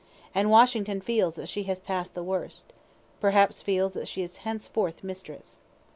And Washington feels that she has pass'd the worst; perhaps feels that she is henceforth mistress.